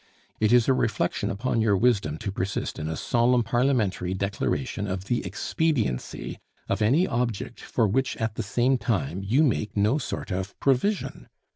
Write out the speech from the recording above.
It is a reflection upon your wisdom to persist in a solemn Parliamentary declaration of the expediency of any object for which at the same time you make no sort of provision.